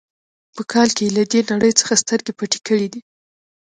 په کال کې یې له دې نړۍ څخه سترګې پټې کړې دي.